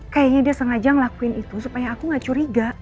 kayaknya dia sengaja ngelakuin itu supaya aku gak curiga